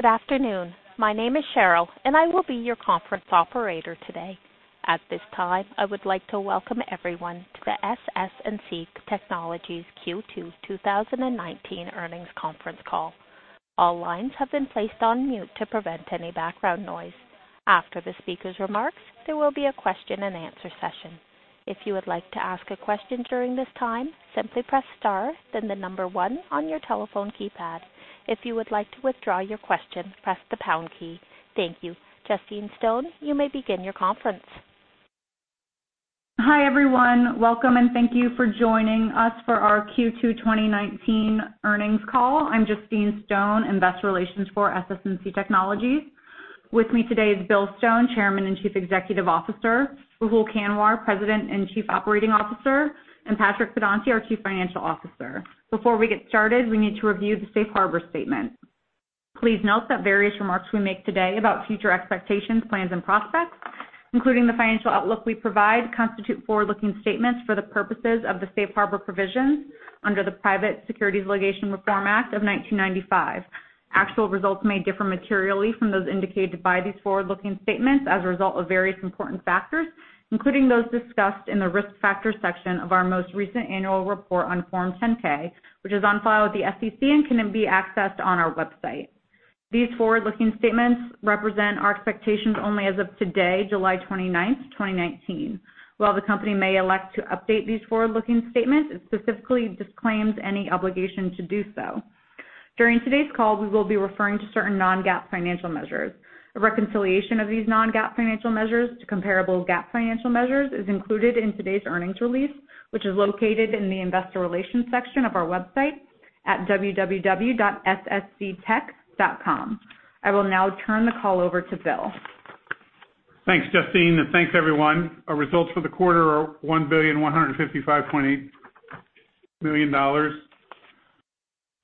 Good afternoon. My name is Cheryl, and I will be your conference operator today. At this time, I would like to welcome everyone to the SS&C Technologies Q2 2019 Earnings Conference Call. All lines have been placed on mute to prevent any background noise. After the speaker's remarks, there will be a question and answer session. If you would like to ask a question during this time, simply press star, then the number one on your telephone keypad. If you would like to withdraw your question, press the pound key. Thank you. Justine Stone, you may begin your conference. Hi, everyone. Welcome. Thank you for joining us for our Q2 2019 earnings call. I'm Justine Stone, Investor Relations for SS&C Technologies. With me today is Bill Stone, Chairman and Chief Executive Officer, Rahul Kanwar, President and Chief Operating Officer, and Patrick Pedonti, our Chief Financial Officer. Before we get started, we need to review the safe harbor statement. Please note that various remarks we make today about future expectations, plans, and prospects, including the financial outlook we provide, constitute forward-looking statements for the purposes of the safe harbor provisions under the Private Securities Litigation Reform Act of 1995. Actual results may differ materially from those indicated by these forward-looking statements as a result of various important factors, including those discussed in the risk factors section of our most recent annual report on Form 10-K, which is on file with the SEC and can be accessed on our website. These forward-looking statements represent our expectations only as of today, July 29th, 2019. While the company may elect to update these forward-looking statements, it specifically disclaims any obligation to do so. During today's call, we will be referring to certain non-GAAP financial measures. A reconciliation of these non-GAAP financial measures to comparable GAAP financial measures is included in today's earnings release, which is located in the investor relations section of our website at www.ssctech.com. I will now turn the call over to Bill. Thanks, Justine, and thanks, everyone. Our results for the quarter are $1,155.8 million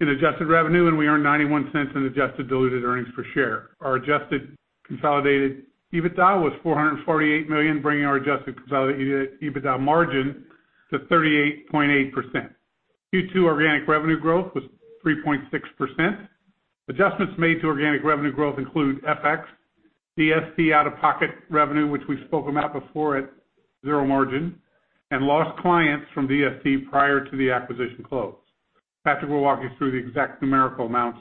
in adjusted revenue, and we earned $0.91 in adjusted diluted earnings per share. Our adjusted consolidated EBITDA was $448 million, bringing our adjusted consolidated EBITDA margin to 38.8%. Q2 organic revenue growth was 3.6%. Adjustments made to organic revenue growth include FX, DST out-of-pocket revenue, which we've spoken about before at zero margin, and lost clients from DST prior to the acquisition close. Patrick will walk you through the exact numerical amounts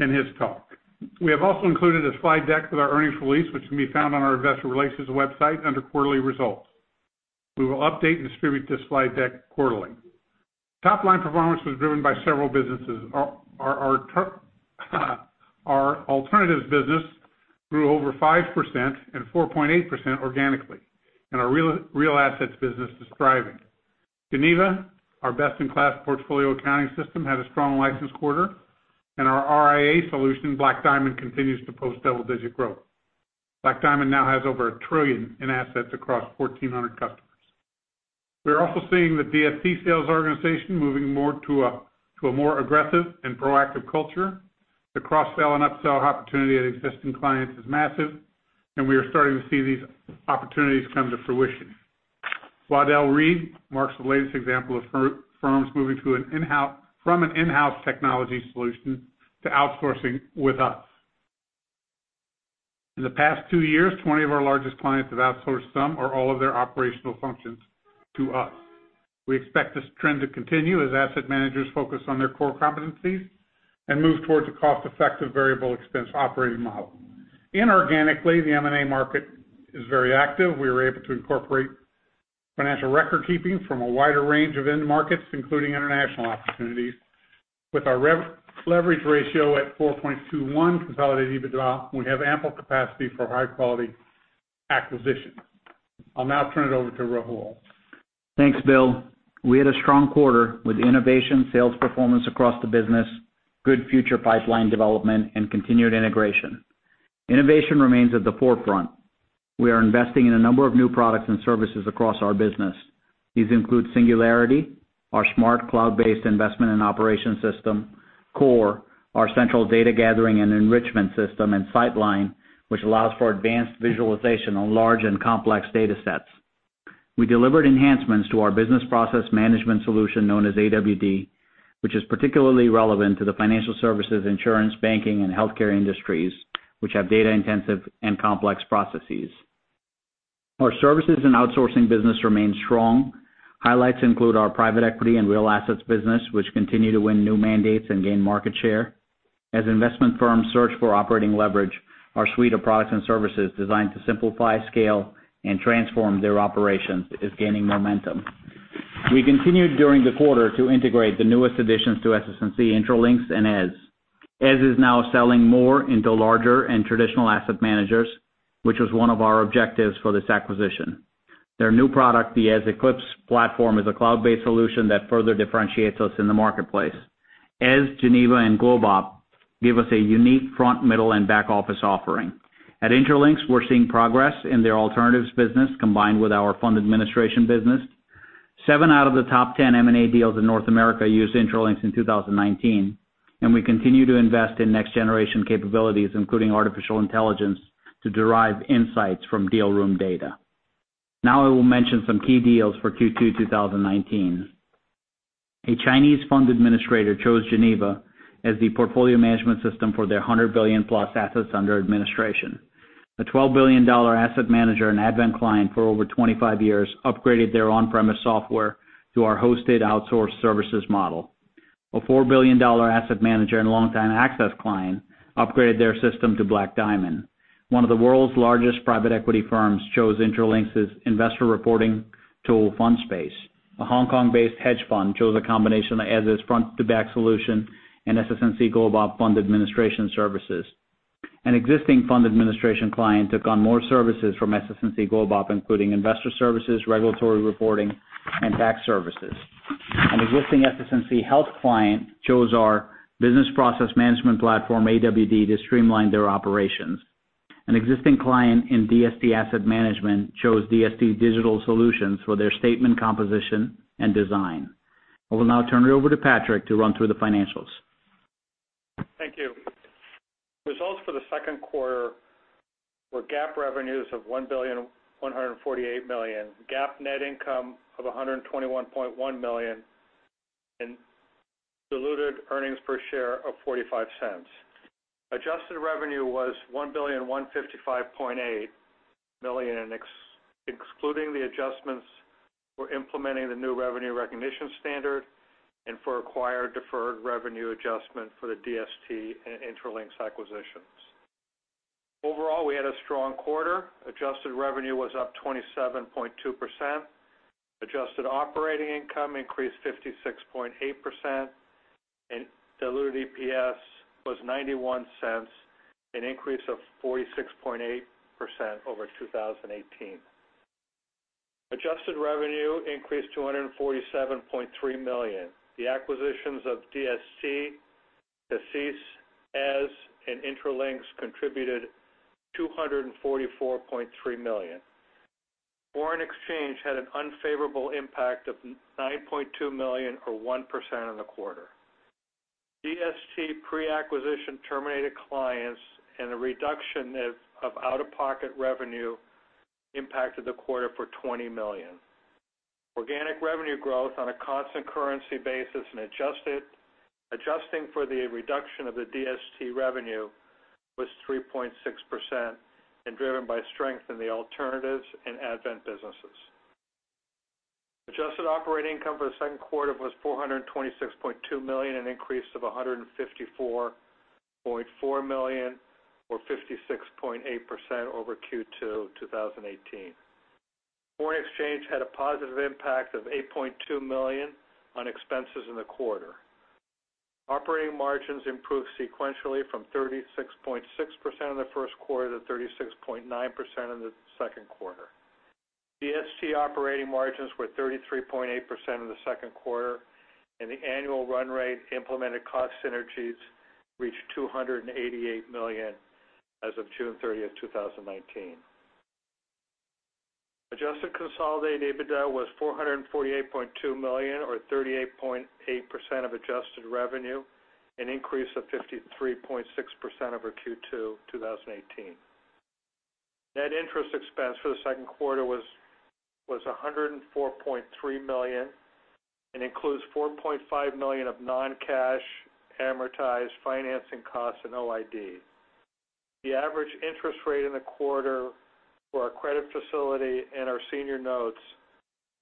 in his talk. We have also included a slide deck with our earnings release, which can be found on our investor relations website under quarterly results. We will update and distribute this slide deck quarterly. Top-line performance was driven by several businesses. Our alternatives business grew over 5% and 4.8% organically, and our real assets business is thriving. Geneva, our best-in-class portfolio accounting system, had a strong license quarter, and our RIA solution, Black Diamond, continues to post double-digit growth. Black Diamond now has over $1 trillion in assets across 1,400 customers. We're also seeing the DST sales organization moving to a more aggressive and proactive culture. The cross-sell and up-sell opportunity at existing clients is massive, and we are starting to see these opportunities come to fruition. Waddell & Reed marks the latest example of firms moving from an in-house technology solution to outsourcing with us. In the past two years, 20 of our largest clients have outsourced some or all of their operational functions to us. We expect this trend to continue as asset managers focus on their core competencies and move towards a cost-effective variable expense operating model. Inorganically, the M&A market is very active. We were able to incorporate financial record-keeping from a wider range of end markets, including international opportunities. With our leverage ratio at 4.21 consolidated EBITDA, we have ample capacity for high-quality acquisition. I'll now turn it over to Rahul. Thanks, Bill. We had a strong quarter with innovation sales performance across the business, good future pipeline development, and continued integration. Innovation remains at the forefront. We are investing in a number of new products and services across our business. These include Singularity, our smart cloud-based investment and operation system, core, our central data gathering and enrichment system, and Sightline, which allows for advanced visualization on large and complex data sets. We delivered enhancements to our business process management solution known as AWD, which is particularly relevant to the financial services, insurance, banking, and healthcare industries, which have data-intensive and complex processes. Our services and outsourcing business remain strong. Highlights include our private equity and real assets business, which continue to win new mandates and gain market share. As investment firms search for operating leverage, our suite of products and services designed to simplify, scale, and transform their operations is gaining momentum. We continued during the quarter to integrate the newest additions to SS&C, Intralinks and Eze. Eze is now selling more into larger and traditional asset managers, which was one of our objectives for this acquisition. Their new product, the Eze Eclipse platform, is a cloud-based solution that further differentiates us in the marketplace. Eze, Geneva, and GlobeOp give us a unique front, middle, and back-office offering. At Intralinks, we're seeing progress in their alternatives business combined with our fund administration business. Seven out of the top 10 M&A deals in North America used Intralinks in 2019, and we continue to invest in next-generation capabilities, including artificial intelligence, to derive insights from deal room data. Now I will mention some key deals for Q2 2019. A Chinese fund administrator chose Geneva as the portfolio management system for their $100 billion-plus assets under administration. A $12 billion asset manager and Advent client for over 25 years upgraded their on-premise software to our hosted outsourced services model. A $4 billion asset manager and longtime Axys client upgraded their system to Black Diamond. One of the world's largest private equity firms chose Intralinks' investor reporting tool, FundSpace. A Hong Kong-based hedge fund chose a combination of Eze's front-to-back solution and SS&C Global fund administration services. An existing fund administration client took on more services from SS&C Global, including investor services, regulatory reporting, and tax services. An existing SS&C Health client chose our business process management platform, AWD, to streamline their operations. An existing client in DST Asset Manager chose DST Digital Solutions for their statement composition and design. I will now turn it over to Patrick to run through the financials. Thank you. Results for the second quarter were GAAP revenues of $1.148 billion, GAAP net income of $121.1 million, and diluted earnings per share of $0.45. Adjusted revenue was $1,155.8 million, excluding the adjustments for implementing the new revenue recognition standard and for acquired deferred revenue adjustment for the DST and Intralinks acquisitions. Overall, we had a strong quarter. Adjusted revenue was up 27.2%. Adjusted operating income increased 56.8%, and diluted EPS was $0.91, an increase of 46.8% over 2018. Adjusted revenue increased to $247.3 million. The acquisitions of DST, CACEIS, Eze, and Intralinks contributed $244.3 million. Foreign exchange had an unfavorable impact of $9.2 million, or 1%, in the quarter. DST pre-acquisition terminated clients and a reduction of out-of-pocket revenue impacted the quarter for $20 million. Organic revenue growth on a constant currency basis and adjusting for the reduction of the DST revenue was 3.6%, and driven by strength in the alternatives in Advent businesses. Adjusted operating income for the second quarter was $426.2 million, an increase of $154.4 million, or 56.8%, over Q2 2018. Foreign exchange had a positive impact of $8.2 million on expenses in the quarter. Operating margins improved sequentially from 36.6% in the first quarter to 36.9% in the second quarter. DST operating margins were 33.8% in the second quarter, and the annual run rate implemented cost synergies reached $288 million as of June 30th, 2019. Adjusted consolidated EBITDA was $448.2 million or 38.8% of adjusted revenue, an increase of 53.6% over Q2 2018. Net interest expense for the second quarter was $104.3 million, and includes $4.5 million of non-cash amortized financing costs and OID. The average interest rate in the quarter for our credit facility and our senior notes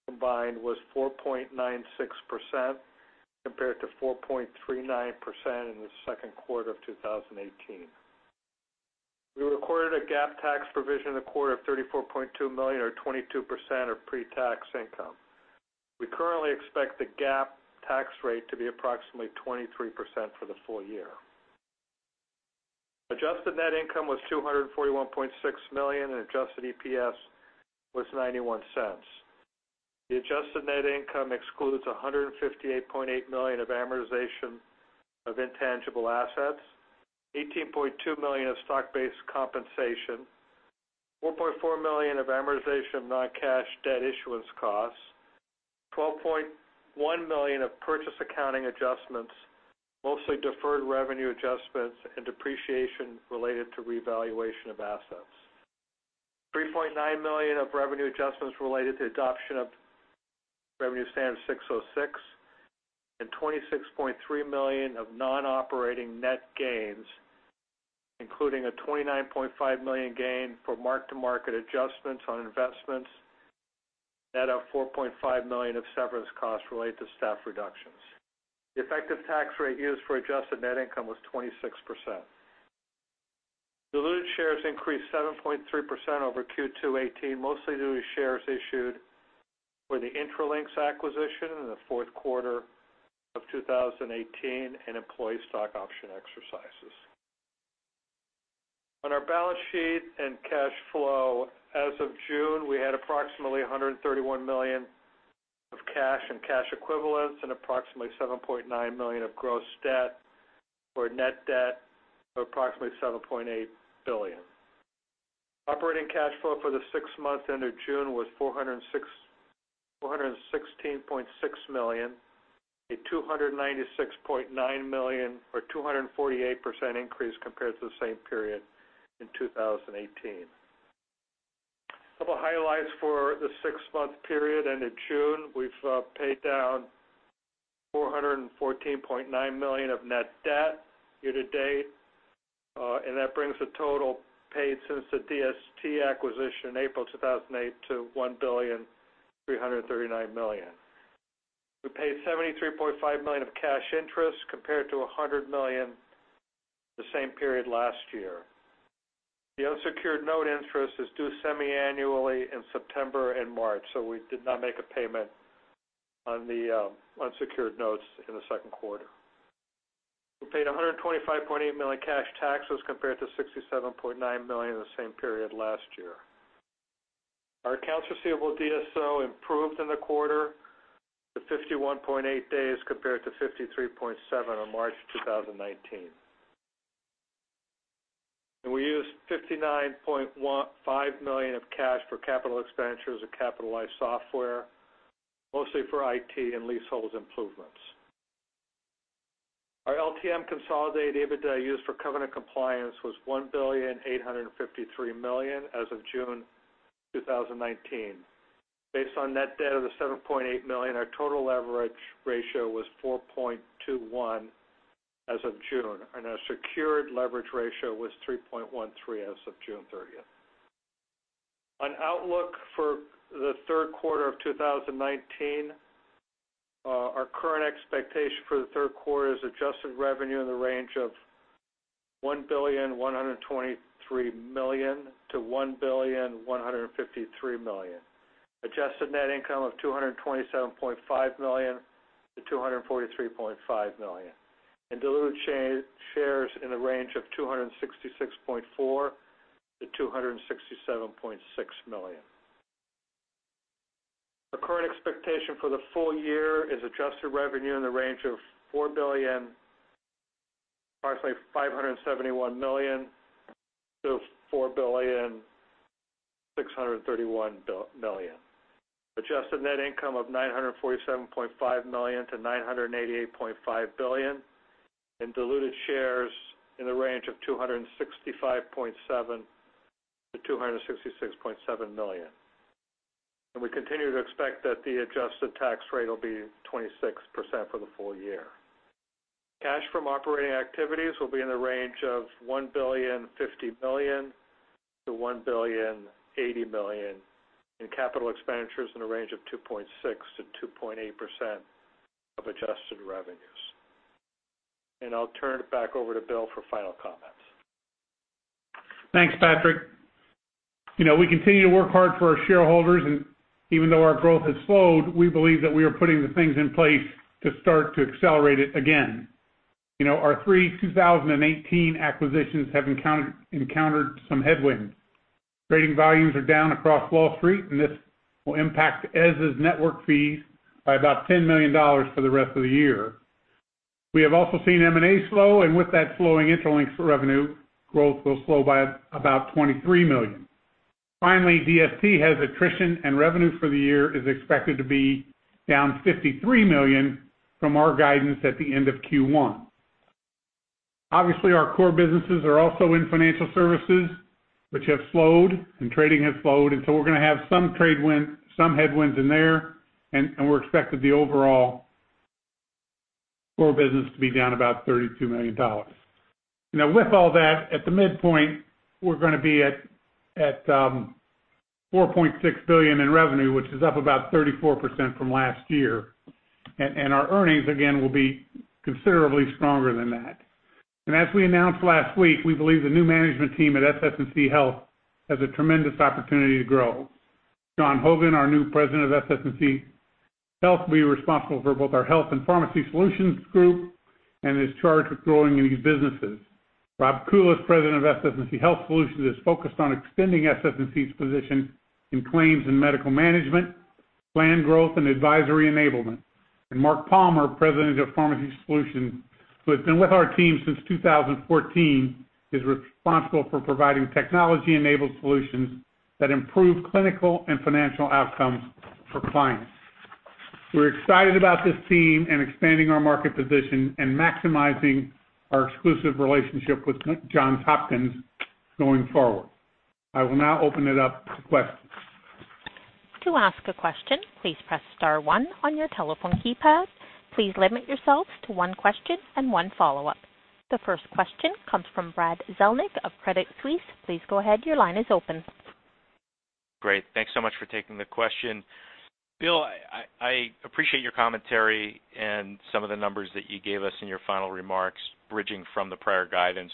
combined was 4.96%, compared to 4.39% in the second quarter of 2018. We recorded a GAAP tax provision in the quarter of $34.2 million, or 22% of pre-tax income. We currently expect the GAAP tax rate to be approximately 23% for the full year. Adjusted net income was $241.6 million, and adjusted EPS was $0.91. The adjusted net income excludes $158.8 million of amortization of intangible assets, $18.2 million of stock-based compensation, $4.4 million of amortization of non-cash debt issuance costs, $12.1 million of purchase accounting adjustments, mostly deferred revenue adjustments and depreciation related to revaluation of assets. $3.9 million of revenue adjustments related to adoption of ASC 606, $26.3 million of non-operating net gains, including a $29.5 million gain for mark-to-market adjustments on investments, net of $4.5 million of severance costs related to staff reductions. The effective tax rate used for adjusted net income was 26%. Diluted shares increased 7.3% over Q2 2018, mostly due to shares issued for the Intralinks acquisition in the fourth quarter of 2018 and employee stock option exercises. On our balance sheet and cash flow, as of June, we had approximately $131 million of cash and cash equivalents, and approximately $7.9 billion of gross debt, for a net debt of approximately $7.8 billion. Operating cash flow for the six months ended June was $416.6 million, a $296.9 million or 248% increase compared to the same period in 2018. A couple highlights for the six-month period ended June. We've paid down $414.9 million of net debt year to date. That brings the total paid since the DST acquisition in April 2018 to $1.339 billion. We paid $73.5 million of cash interest compared to $100 million the same period last year. The unsecured note interest is due semi-annually in September and March. We did not make a payment on the unsecured notes in the second quarter. We paid $125.8 million cash taxes compared to $67.9 million in the same period last year. Our accounts receivable DSO improved in the quarter to 51.8 days compared to 53.7 on March 2019. We used $59.5 million of cash for capital expenditures or capitalized software, mostly for IT and leasehold improvements. Our LTM consolidated EBITDA used for covenant compliance was $1.853 billion as of June 2019. Based on net debt of $7.8 billion, our total leverage ratio was 4.21 as of June, our secured leverage ratio was 3.13 as of June 30th. On outlook for the third quarter of 2019, our current expectation for the third quarter is adjusted revenue in the range of $1.123 billion-$1.153 billion. Adjusted net income of $227.5 million-$243.5 million. Diluted shares in the range of $266.4 million-$267.6 million. The current expectation for the full year is adjusted revenue in the range of $4.571 billion-$4.631 billion. Adjusted net income of $947.5 million-$988.5 million, diluted shares in the range of $265.7 million-$266.7 million. We continue to expect that the adjusted tax rate will be 26% for the full year. Cash from operating activities will be in the range of $1.05 billion-$1.08 billion. Capital expenditures in the range of 2.6%-2.8% of adjusted revenues. I'll turn it back over to Bill for final comments. Thanks, Patrick. We continue to work hard for our shareholders, even though our growth has slowed, we believe that we are putting the things in place to start to accelerate it again. Our three 2018 acquisitions have encountered some headwinds. Trading volumes are down across Wall Street, this will impact Eze's network fees by about $10 million for the rest of the year. We have also seen M&A slow, with that slowing, Intralinks revenue growth will slow by about $23 million. Finally, DST has attrition, revenue for the year is expected to be down $53 million from our guidance at the end of Q1. Obviously, our core businesses are also in financial services, which have slowed, trading has slowed, so we're going to have some headwinds in there, we're expecting the overall core business to be down about $32 million. With all that, at the midpoint, we're going to be at $4.6 billion in revenue, which is up about 34% from last year. Our earnings, again, will be considerably stronger than that. As we announced last week, we believe the new management team at SS&C Health has a tremendous opportunity to grow. Sean Hogan, our new President of SS&C Health, will be responsible for both our health and Pharmacy Solutions group and is charged with growing these businesses. Rob Kulis, President of SS&C Health Solutions, is focused on extending SS&C's position in claims and medical management, plan growth, and advisory enablement. Marc Palmer, President of Pharmacy Solutions, who has been with our team since 2014, is responsible for providing technology-enabled solutions that improve clinical and financial outcomes for clients. We're excited about this team and expanding our market position and maximizing our exclusive relationship with Johns Hopkins going forward. I will now open it up to questions. To ask a question, please press star one on your telephone keypad. Please limit yourselves to one question and one follow-up. The first question comes from Brad Zelnick of Credit Suisse. Please go ahead. Your line is open. Great. Thanks so much for taking the question. Bill, I appreciate your commentary and some of the numbers that you gave us in your final remarks, bridging from the prior guidance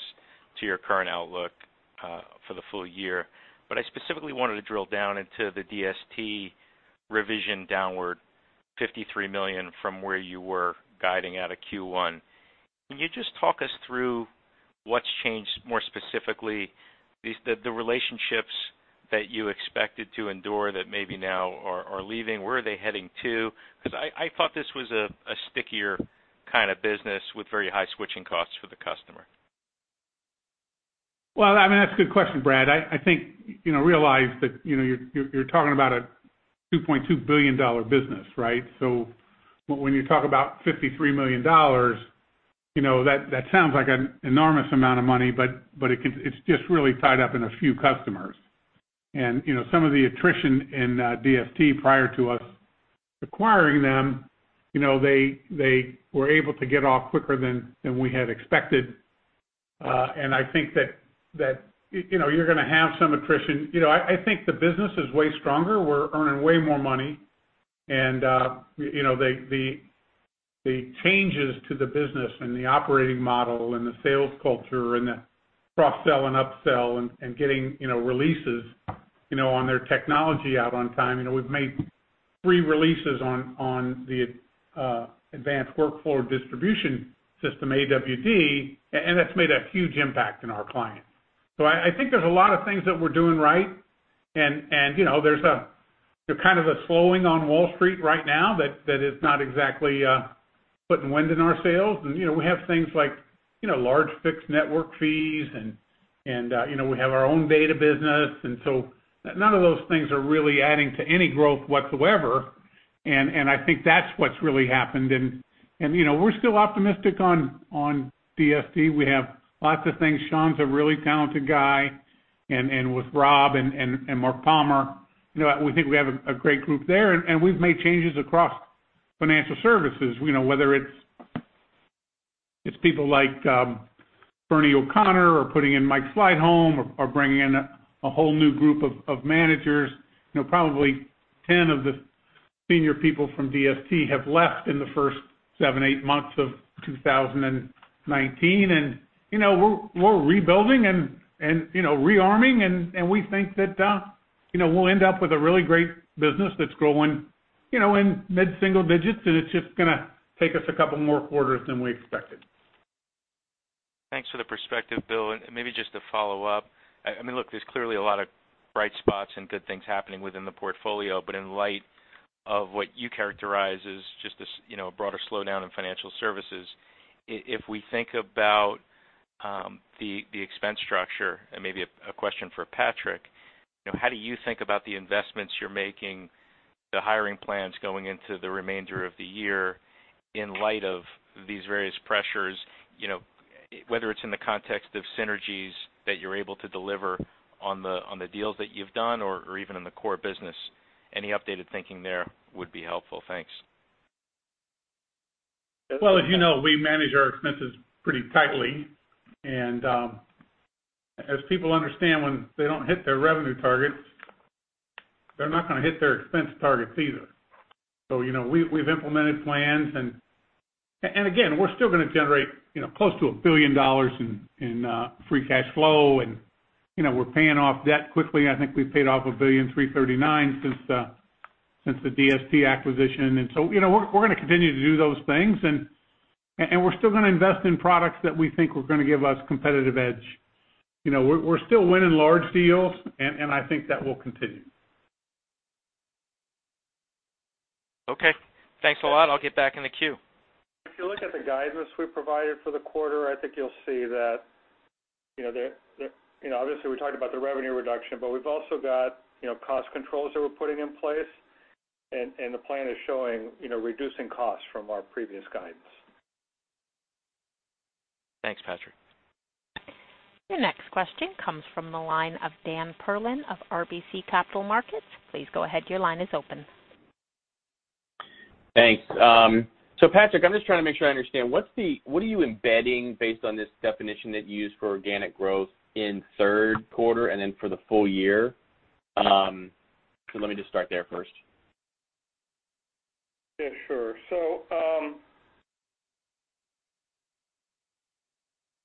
to your current outlook for the full year. I specifically wanted to drill down into the DST revision downward $53 million from where you were guiding out of Q1. Can you just talk us through what's changed more specifically? The relationships that you expected to endure that maybe now are leaving, where are they heading to? I thought this was a stickier kind of business with very high switching costs for the customer. Well, that's a good question, Brad. I think, realize that you're talking about a $2.2 billion business, right? When you talk about $53 million. That sounds like an enormous amount of money, but it's just really tied up in a few customers. Some of the attrition in DST prior to us acquiring them, they were able to get off quicker than we had expected. I think that you're going to have some attrition. I think the business is way stronger. We're earning way more money. The changes to the business and the operating model and the sales culture and the cross-sell and up-sell and getting releases on their technology out on time. We've made three releases on the advanced workflow distribution system, AWD, and that's made a huge impact on our clients. I think there's a lot of things that we're doing right, and there's a slowing on Wall Street right now that is not exactly putting wind in our sails. We have things like large fixed network fees, and we have our own data business. None of those things are really adding to any growth whatsoever, and I think that's what's really happened. We're still optimistic on DST. We have lots of things. Sean's a really talented guy, and with Rob and Marc Palmer, we think we have a great group there. We've made changes across financial services, whether it's people like Bernie O'Connor, or putting in Mike Sleightholme or bringing in a whole new group of managers. Probably 10 of the senior people from DST have left in the first seven to eight months of 2019. We're rebuilding and re-arming, and we think that we'll end up with a really great business that's growing in mid-single digits, and it's just going to take us a couple more quarters than we expected. Thanks for the perspective, Bill. Maybe just to follow up, look, there's clearly a lot of bright spots and good things happening within the portfolio. In light of what you characterize as just this broader slowdown in financial services, if we think about the expense structure, and maybe a question for Patrick. How do you think about the investments you're making, the hiring plans going into the remainder of the year in light of these various pressures? Whether it's in the context of synergies that you're able to deliver on the deals that you've done or even in the core business, any updated thinking there would be helpful. Thanks. Well, as you know, we manage our expenses pretty tightly. As people understand, when they don't hit their revenue targets, they're not going to hit their expense targets either. We've implemented plans, and again, we're still going to generate close to $1 billion in free cash flow, and we're paying off debt quickly. I think we've paid off $1.339 billion since the DST acquisition. We're going to continue to do those things, and we're still going to invest in products that we think are going to give us competitive edge. We're still winning large deals, and I think that will continue. Okay. Thanks a lot. I'll get back in the queue. If you look at the guidance we provided for the quarter, I think you'll see that, obviously we talked about the revenue reduction, but we've also got cost controls that we're putting in place, and the plan is showing reducing costs from our previous guidance. Thanks, Patrick. The next question comes from the line of Dan Perlin of RBC Capital Markets. Please go ahead, your line is open. Thanks. Patrick, I'm just trying to make sure I understand. What are you embedding based on this definition that you used for organic growth in third quarter and then for the full year? Let me just start there first. Yeah, sure.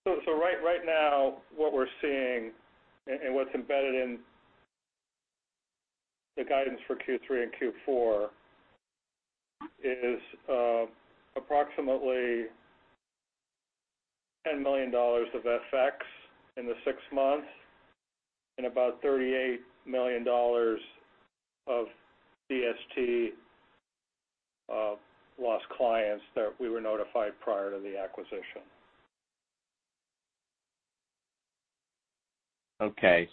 Right now, what we're seeing and what's embedded in the guidance for Q3 and Q4 is approximately $10 million of FX in the six months and about $38 million of DST lost clients that we were notified prior to the acquisition. Okay.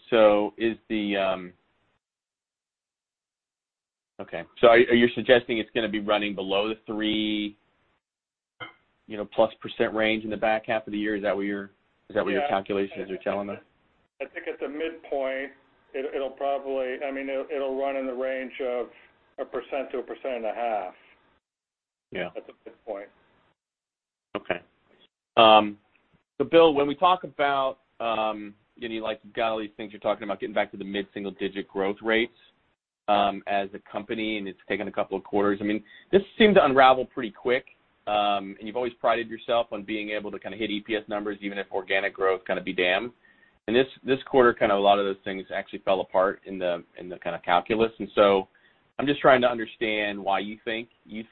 Are you suggesting it's going to be running below the 3% plus range in the back half of the year? Is that what your calculations are telling us? I think at the midpoint, it'll run in the range of 1%-1.5%. Yeah. At the midpoint. Okay. Bill, you've got all these things. You're talking about getting back to the mid-single digit growth rates as a company. It's taken a couple of quarters. This seemed to unravel pretty quick. You've always prided yourself on being able to hit EPS numbers, even if organic growth be damned. In this quarter, a lot of those things actually fell apart in the calculus. I'm just trying to understand why you think you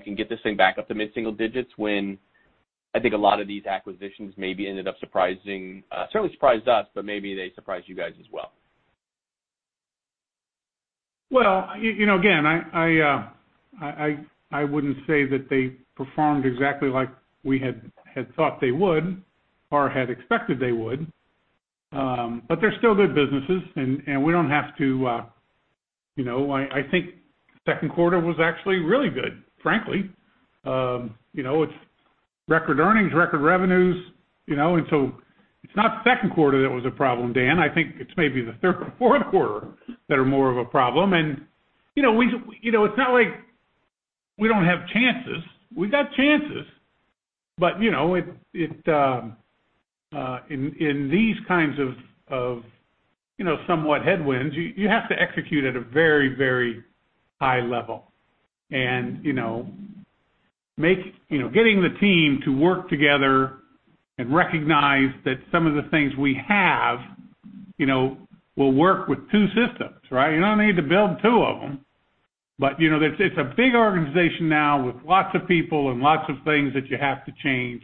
can get this thing back up to mid-single digits when I think a lot of these acquisitions maybe ended up Certainly surprised us, but maybe they surprised you guys as well. Well, again, I wouldn't say that they performed exactly like we had thought they would or had expected they would. They're still good businesses, and we don't have to i think second quarter was actually really good, frankly. It's record earnings, record revenues. It's not second quarter that was a problem, Dan, I think it's maybe the third or fourth quarter that are more of a problem. It's not like we don't have chances. We've got chances. In these kinds of somewhat headwinds, you have to execute at a very high level and getting the team to work together and recognize that some of the things we have will work with two systems. You don't need to build two of them. It's a big organization now with lots of people and lots of things that you have to change.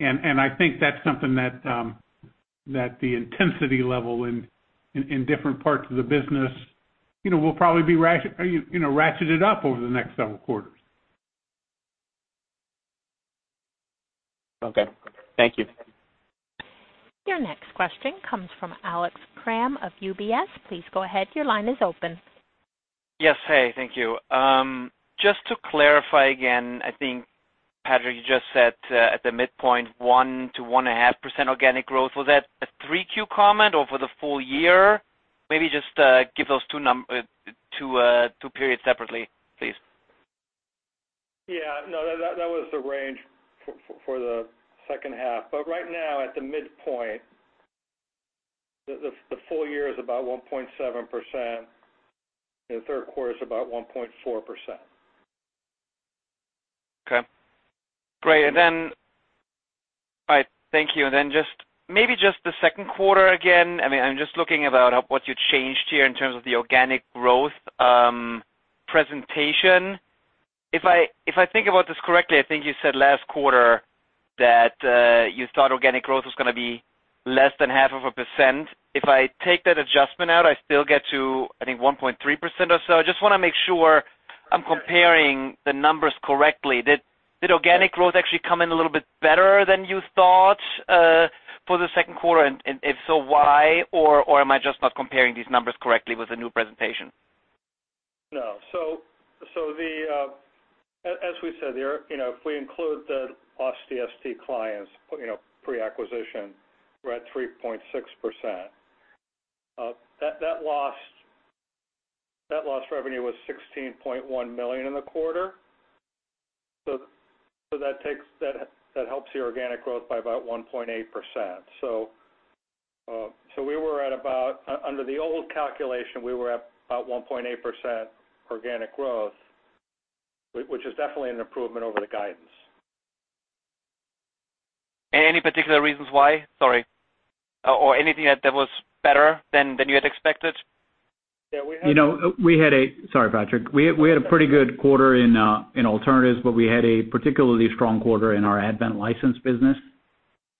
I think that's something that the intensity level in different parts of the business will probably be ratcheted up over the next several quarters. Okay. Thank you. Your next question comes from Alex Kramm of UBS. Please go ahead. Your line is open. Yes. Hey, thank you. Just to clarify again, I think, Patrick, you just said at the midpoint, 1%-1.5% organic growth. Was that a 3Q comment or for the full year? Maybe just give those two periods separately, please. Yeah. No, that was the range for the second half. Right now at the midpoint, the full year is about 1.7%. The third quarter is about 1.4%. Okay. Great. Thank you. Maybe just the second quarter again. I'm just looking about what you changed here in terms of the organic growth presentation. If I think about this correctly, I think you said last quarter that you thought organic growth was going to be less than half of a percent. If I take that adjustment out, I still get to, I think, 1.3% or so. I just want to make sure I'm comparing the numbers correctly. Did organic growth actually come in a little bit better than you thought for the second quarter? If so, why? Am I just not comparing these numbers correctly with the new presentation? No. As we said there, if we include the lost DST clients pre-acquisition, we're at 3.6%. That lost revenue was $16.1 million in the quarter. That helps the organic growth by about 1.8%. Under the old calculation, we were at about 1.8% organic growth, which is definitely an improvement over the guidance. Any particular reasons why? Sorry. Anything that was better than you had expected? Yeah. Sorry, Patrick. We had a pretty good quarter in alternatives, but we had a particularly strong quarter in our Advent license business.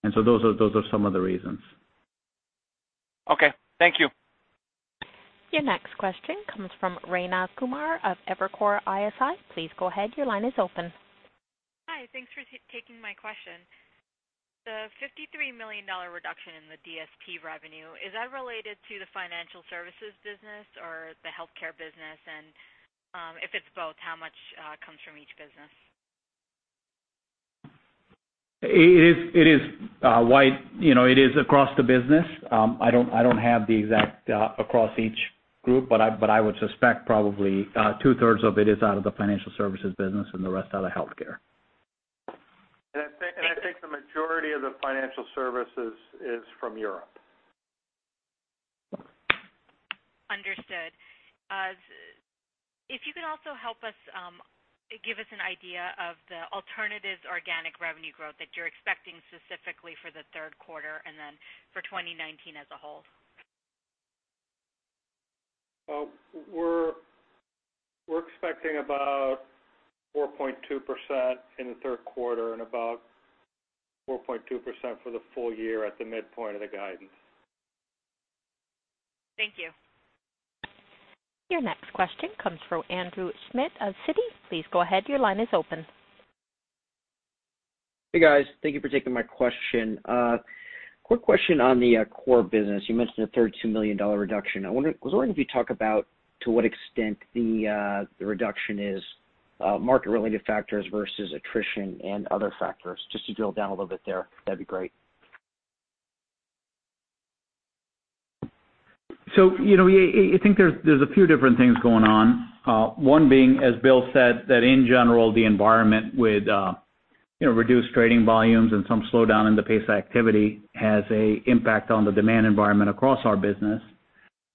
Those are some of the reasons. Okay. Thank you. Your next question comes from Rayna Kumar of Evercore ISI. Please go ahead. Your line is open. Hi. Thanks for taking my question. The $53 million reduction in the DST revenue, is that related to the financial services business or the healthcare business? If it's both, how much comes from each business? It is across the business. I don't have the exact across each group, but I would suspect probably two-thirds of it is out of the financial services business and the rest out of healthcare. I think the majority of the financial services is from Europe. Understood. If you could also help us give us an idea of the alternative organic revenue growth that you're expecting specifically for the third quarter and then for 2019 as a whole. We're expecting about 4.2% in the third quarter and about 4.2% for the full year at the midpoint of the guidance. Thank you. Your next question comes from Andrew Schmidt of Citi. Please go ahead. Your line is open. Hey, guys. Thank you for taking my question. Quick question on the core business. You mentioned a $32 million reduction. I was wondering if you talk about to what extent the reduction is market-related factors versus attrition and other factors. Just to drill down a little bit there. That would be great. I think there's a few different things going on. One being, as Bill said, that in general, the environment with reduced trading volumes and some slowdown in the pace of activity has a impact on the demand environment across our business.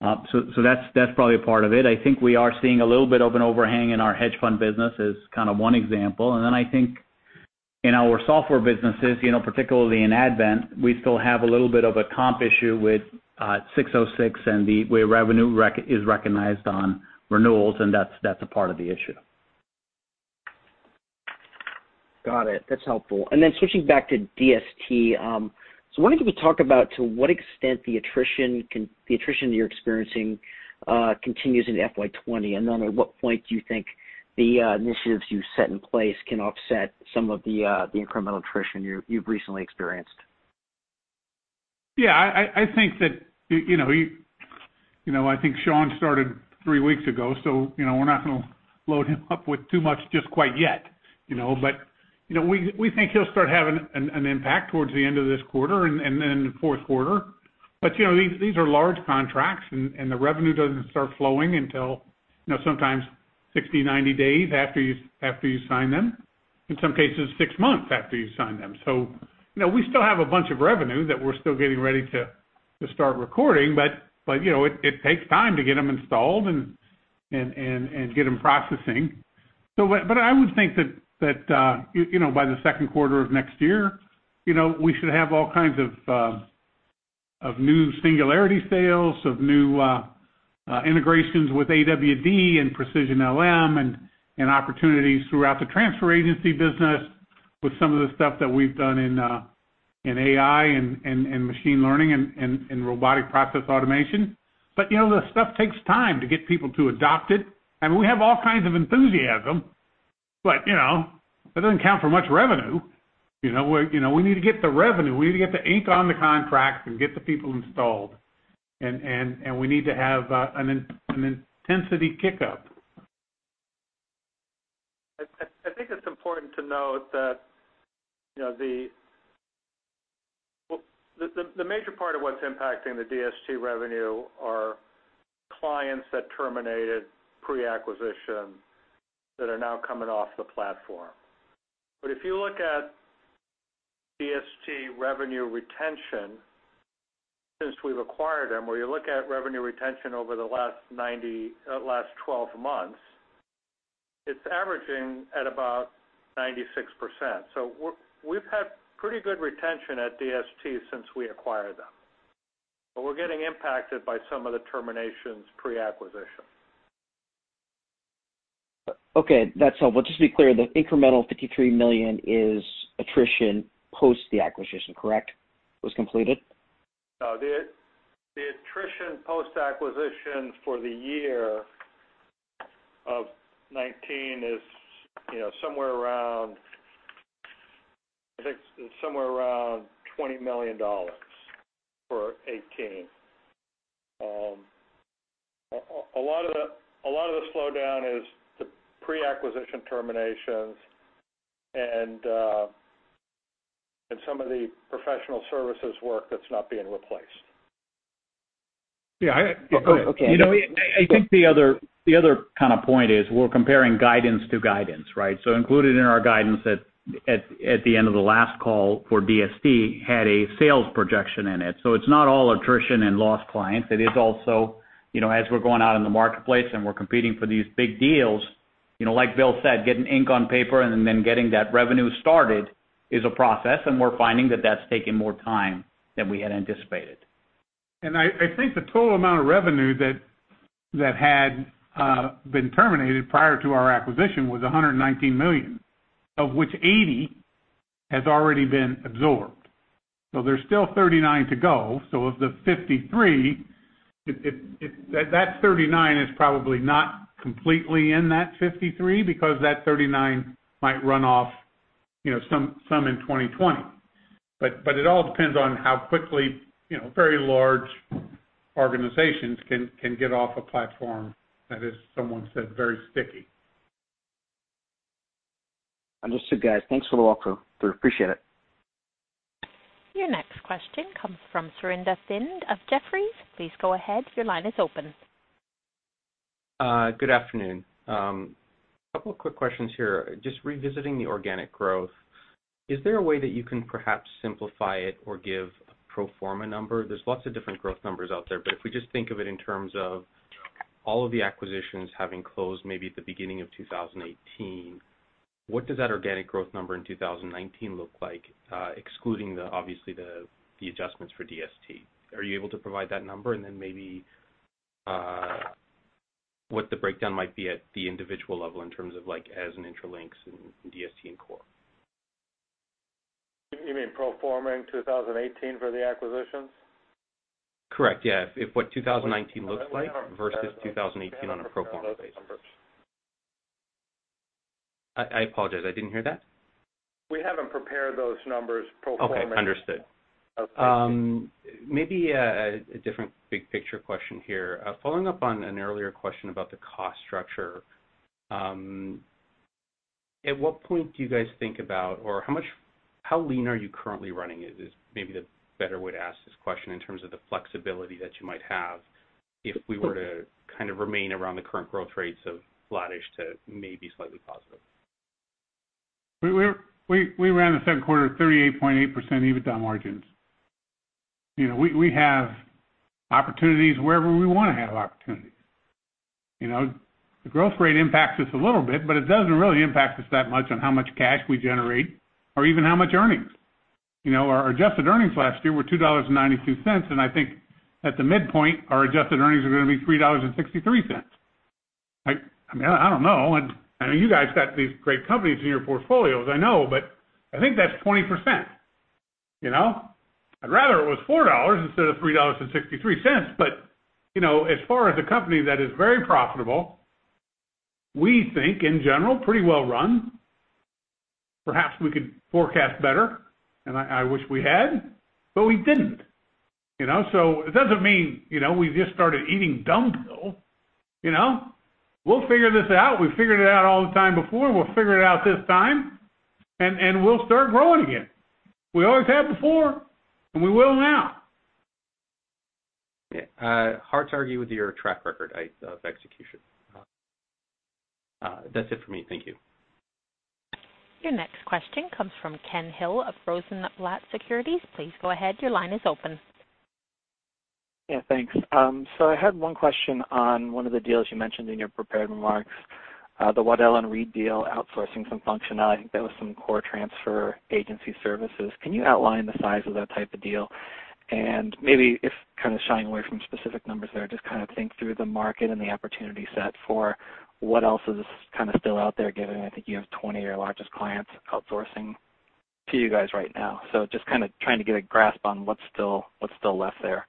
That's probably a part of it. I think we are seeing a little bit of an overhang in our hedge fund business is kind of one example. I think in our software businesses, particularly in Advent, we still have a little bit of a comp issue with 606 and the way revenue is recognized on renewals, and that's a part of the issue. Got it. That's helpful. Switching back to DST. I was wondering if you could talk about to what extent the attrition you're experiencing continues into FY 2020. At what point do you think the initiatives you set in place can offset some of the incremental attrition you've recently experienced? Yeah, I think Sean started three weeks ago. We're not going to load him up with too much just quite yet. We think he'll start having an impact towards the end of this quarter and then the fourth quarter. These are large contracts, and the revenue doesn't start flowing until sometimes 60, 90 days after you sign them. In some cases, six months after you sign them. We still have a bunch of revenue that we're still getting ready to start recording. It takes time to get them installed and get them processing. I would think that by the second quarter of next year, we should have all kinds of new Singularity sales, of new integrations with AWD and Precision LM, and opportunities throughout the transfer agency business with some of the stuff that we've done in AI and machine learning and robotic process automation. This stuff takes time to get people to adopt it, and we have all kinds of enthusiasm, but that doesn't account for much revenue. We need to get the revenue. We need to get the ink on the contracts and get the people installed. We need to have an intensity kick-up. I think it's important to note that the major part of what's impacting the DST revenue are clients that terminated pre-acquisition that are now coming off the platform. If you look at DST revenue retention since we've acquired them, or you look at revenue retention over the last 12 months, it's averaging at about 96%. We've had pretty good retention at DST since we acquired them, but we're getting impacted by some of the terminations pre-acquisition. Okay. That's helpful. Just to be clear, the incremental $53 million is attrition post the acquisition, correct? Was completed? The attrition post-acquisition for the year of 2019 is somewhere around $20 million for 2018. A lot of the slowdown is the pre-acquisition terminations and some of the professional services work that's not being replaced. Yeah. Okay. I think the other kind of point is we're comparing guidance to guidance, right? Included in our guidance at the end of the last call for DST had a sales projection in it. It's not all attrition and lost clients. It is also, as we're going out in the marketplace and we're competing for these big deals, like Bill said, getting ink on paper and then getting that revenue started is a process, and we're finding that that's taking more time than we had anticipated. I think the total amount of revenue that had been terminated prior to our acquisition was $119 million, of which $80 has already been absorbed. There's still $39 to go. Of the $53, that $39 is probably not completely in that $53 because that $39 might run off some in 2020. It all depends on how quickly very large organizations can get off a platform that is, someone said, very sticky. Understood, guys. Thanks for the walkthrough. Appreciate it. Your next question comes from Surinder Thind of Jefferies. Please go ahead. Your line is open. Good afternoon. A couple of quick questions here. Just revisiting the organic growth, is there a way that you can perhaps simplify it or give a pro forma number? There's lots of different growth numbers out there, but if we just think of it in terms of all of the acquisitions having closed maybe at the beginning of 2018, what does that organic growth number in 2019 look like, excluding obviously the adjustments for DST? Are you able to provide that number, and then maybe what the breakdown might be at the individual level in terms of like as in Intralinks and DST and Core? You mean pro forma in 2018 for the acquisitions? Correct. Yeah. What 2019 looks like versus 2018 on a pro forma basis? We haven't prepared those numbers. I apologize, I didn't hear that. We haven't prepared those numbers pro forma. Okay, understood. Okay. Maybe a different big-picture question here. Following up on an earlier question about the cost structure, at what point do you guys think about how lean are you currently running is maybe the better way to ask this question in terms of the flexibility that you might have if we were to kind of remain around the current growth rates of flattish to maybe slightly positive? We ran the second quarter at 38.8% EBITDA margins. We have opportunities wherever we want to have opportunities. The growth rate impacts us a little bit, but it doesn't really impact us that much on how much cash we generate or even how much earnings. Our adjusted earnings last year were $2.92, and I think at the midpoint, our adjusted earnings are going to be $3.63. I don't know. I know you guys got these great companies in your portfolios, I know, but I think that's 20%. I'd rather it was $4 instead of $3.63, but as far as a company that is very profitable, we think, in general, pretty well run. Perhaps we could forecast better, and I wish we had, but we didn't. It doesn't mean we've just started eating dumb. We'll figure this out. We figured it out all the time before. We'll figure it out this time, and we'll start growing again. We always have before, and we will now. Yeah. Hard to argue with your track record of execution. That's it for me. Thank you. Your next question comes from Ken Hill of Rosenblatt Securities. Please go ahead. Your line is open. Yeah, thanks. I had one question on one of the deals you mentioned in your prepared remarks, the Waddell & Reed deal outsourcing some functionality. I think that was some Core transfer agency services. Can you outline the size of that type of deal? Maybe if kind of shying away from specific numbers there, just kind of think through the market and the opportunity set for what else is kind of still out there, given I think you have 20 of your largest clients outsourcing to you guys right now. Just kind of trying to get a grasp on what's still left there.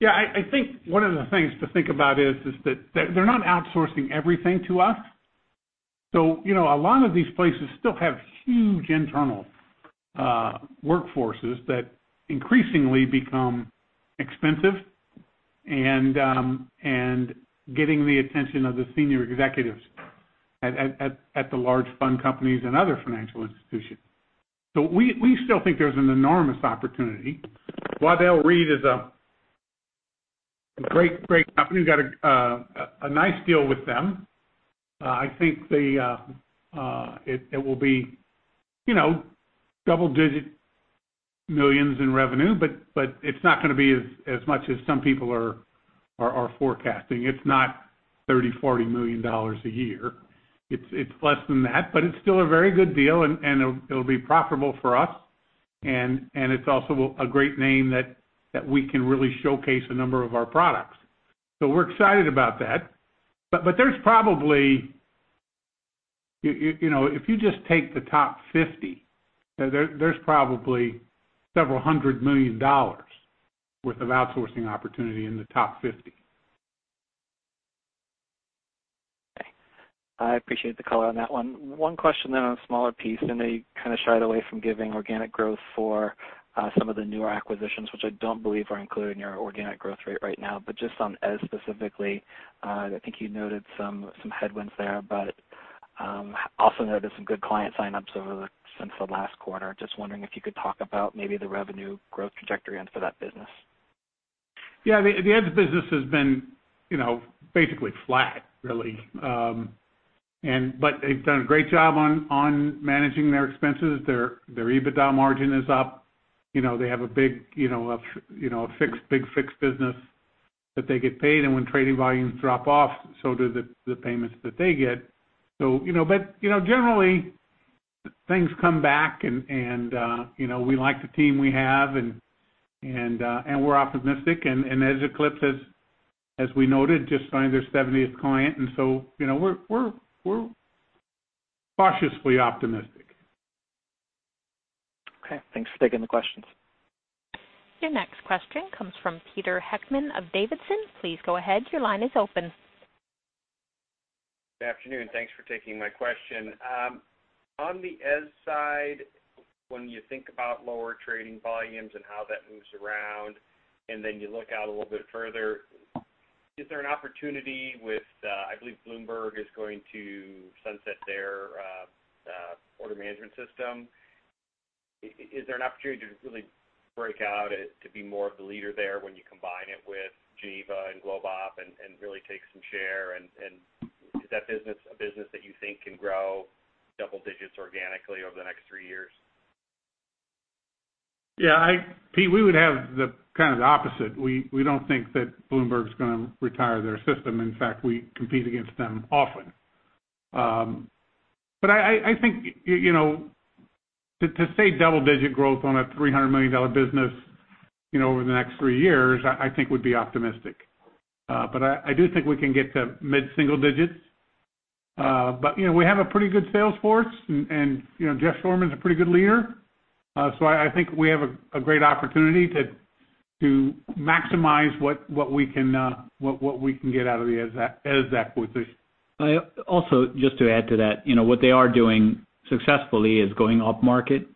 Yeah, I think one of the things to think about is that they're not outsourcing everything to us. A lot of these places still have huge internal workforces that increasingly become expensive and getting the attention of the senior executives at the large fund companies and other financial institutions. We still think there's an enormous opportunity. Waddell & Reed is a great company. We got a nice deal with them. I think it will be double-digit millions in revenue, but it's not going to be as much as some people are forecasting. It's not $30 million-$40 million a year. It's less than that, but it's still a very good deal, and it'll be profitable for us. It's also a great name that we can really showcase a number of our products. We're excited about that. If you just take the top 50, there's probably several hundred million dollars worth of outsourcing opportunity in the top 50. Okay. I appreciate the color on that one. One question on a smaller piece, I know you kind of shied away from giving organic growth for some of the newer acquisitions, which I don't believe are included in your organic growth rate right now. Just on Eze specifically, I think you noted some headwinds there, but also noted some good client sign-ups over since the last quarter. Just wondering if you could talk about maybe the revenue growth trajectory for that business. Yeah, the Eze business has been basically flat really. They've done a great job on managing their expenses. Their EBITDA margin is up. They have a big fixed business that they get paid, and when trading volumes drop off, so do the payments that they get. Generally, things come back, and we like the team we have, and we're optimistic, and Eze Eclipse, as we noted, just signed their 70th client. We're cautiously optimistic. Okay. Thanks for taking the questions. Your next question comes from Peter Heckmann of Davidson. Please go ahead. Your line is open. Good afternoon. Thanks for taking my question. On the Eze side, when you think about lower trading volumes and how that moves around, and then you look out a little bit further, is there an opportunity with I believe Bloomberg is going to sunset their order management system. Is there an opportunity to really break out, to be more of the leader there when you combine it with Geneva and GlobeOp and really take some share? Is that business a business that you think can grow double digits organically over the next three years? Yeah. Pete, we would have the kind of the opposite. We don't think that Bloomberg is going to retire their system. In fact, we compete against them often. I think to say double-digit growth on a $300 million business, over the next three years, I think would be optimistic. I do think we can get to mid-single digits. We have a pretty good sales force, and Jeff Shoreman's a pretty good leader. I think we have a great opportunity to maximize what we can get out of the Eze acquisition. Just to add to that, what they are doing successfully is going upmarket.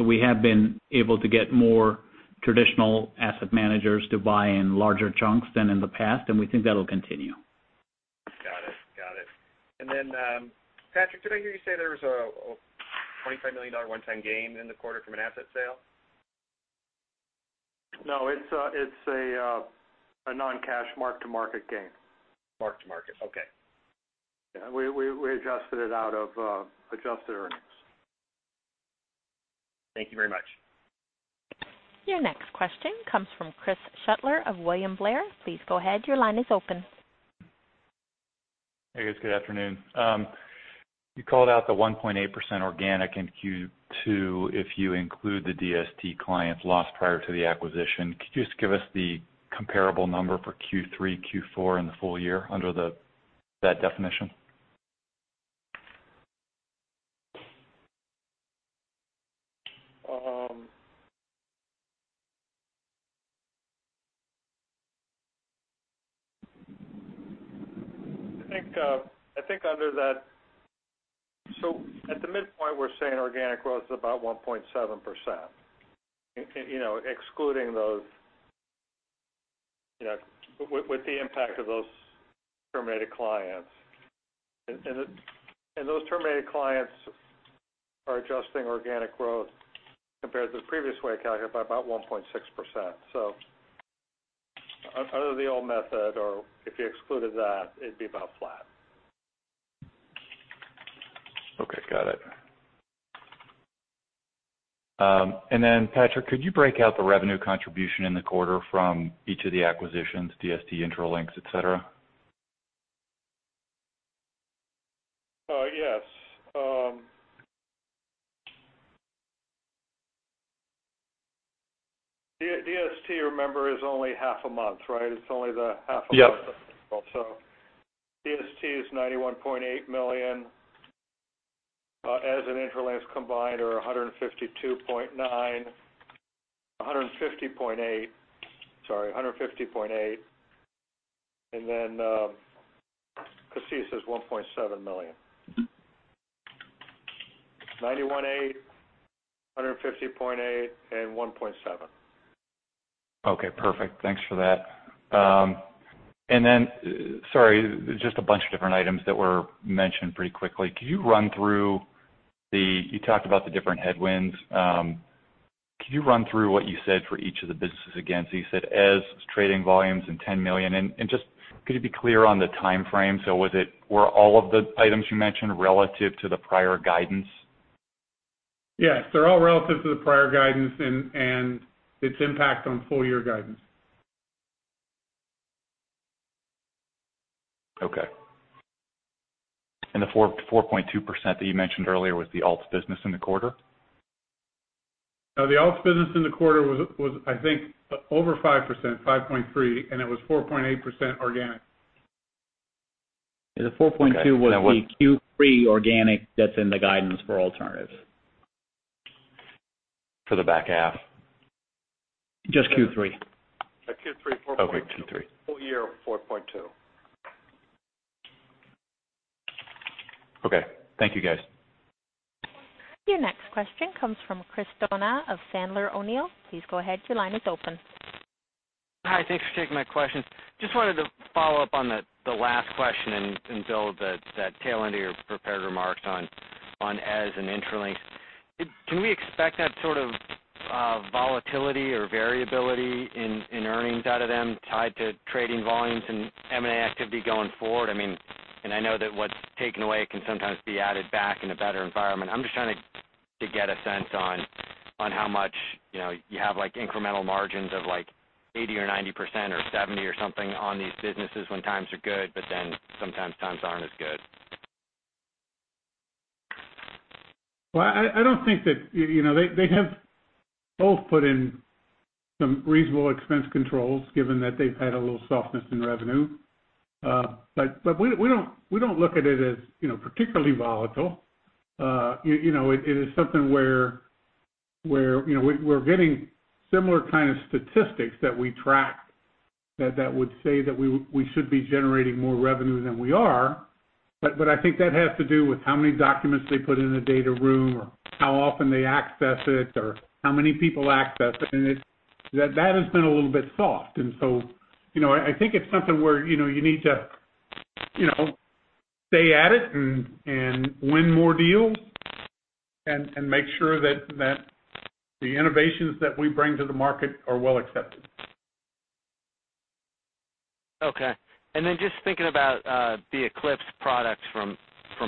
We have been able to get more traditional asset managers to buy in larger chunks than in the past, and we think that'll continue. Got it. Patrick, did I hear you say there was a $25 million one-time gain in the quarter from an asset sale? No, it's a non-cash mark-to-market gain. Mark to market. Okay. Yeah, we adjusted it out of adjusted earnings. Thank you very much. Your next question comes from Chris Shutler of William Blair. Please go ahead. Your line is open. Hey, guys. Good afternoon. You called out the 1.8% organic in Q2 if you include the DST clients lost prior to the acquisition. Could you just give us the comparable number for Q3, Q4 in the full year under that definition? I think at the midpoint, we're saying organic growth is about 1.7%, excluding those with the impact of those terminated clients. Those terminated clients are adjusting organic growth compared to the previous way I calculated it by about 1.6%. Under the old method, or if you excluded that, it'd be about flat. Okay. Got it. Then Patrick, could you break out the revenue contribution in the quarter from each of the acquisitions, DST, Intralinks, et cetera? Yes. DST, remember, is only half a month. It's only the half a month. Yes. DST is $91.8 million. Eze and Intralinks combined are $150.8 million, sorry. $150.8 million. CACEIS is $1.7 million. $91.8 million, $150.8 million, and $1.7 million. Okay, perfect. Thanks for that. Sorry, just a bunch of different items that were mentioned pretty quickly. You talked about the different headwinds. Could you run through what you said for each of the businesses again? You said Eze trading volumes and $10 million, just could you be clear on the timeframe? Were all of the items you mentioned relative to the prior guidance? Yes. They're all relative to the prior guidance and its impact on full-year guidance. Okay. The 4.2% that you mentioned earlier was the alts business in the quarter? No, the alts business in the quarter was I think over 5%, 5.3%, and it was 4.8% organic. The 4.2% was the Q3 organic that's in the guidance for alternatives. For the back half? Just Q3. Q3, 4.2. Okay. Q3. Full year, 4.2. Okay. Thank you, guys. Your next question comes from Chris Donat of Sandler O'Neill. Please go ahead, your line is open. Hi, thanks for taking my questions. I just wanted to follow up on the last question and build that tail end of your prepared remarks on Eze and Intralinks. Can we expect that sort of volatility or variability in earnings out of them tied to trading volumes and M&A activity going forward? I know that what's taken away can sometimes be added back in a better environment. I'm just trying to get a sense on how much you have incremental margins of 80% or 90% or 70% or something on these businesses when times are good, but then sometimes times aren't as good. Well, they have both put in some reasonable expense controls given that they've had a little softness in revenue. We don't look at it as particularly volatile. It is something where we're getting similar kind of statistics that we track that would say that we should be generating more revenue than we are. I think that has to do with how many documents they put in the data room or how often they access it or how many people access it. That has been a little bit soft. I think it's something where you need to stay at it and win more deals and make sure that the innovations that we bring to the market are well accepted. Okay. Just thinking about the Eclipse products from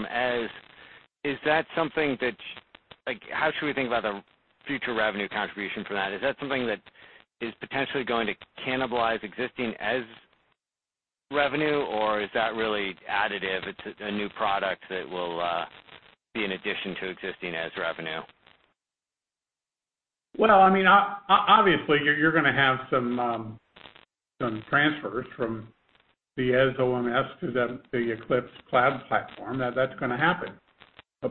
Eze, how should we think about the future revenue contribution from that? Is that something that is potentially going to cannibalize existing Eze revenue, or is that really additive? It's a new product that will be in addition to existing Eze revenue. Well, obviously, you're going to have some transfers from the Eze OMS to the Eclipse cloud platform. That's going to happen.